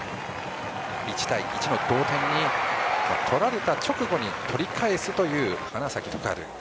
１対１の同点に、取られた直後に取り返すという花咲徳栄。